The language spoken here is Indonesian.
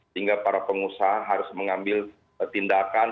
sehingga para pengusaha harus mengambil tindakan